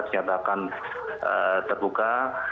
ternyata akan terbuka